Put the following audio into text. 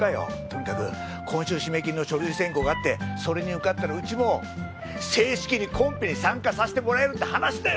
とにかく今週締め切りの書類選考があってそれに受かったらうちも正式にコンペに参加させてもらえるって話だよ。